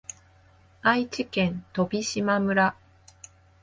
愛知県飛島村